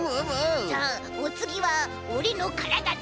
さあおつぎはオレのからだだ。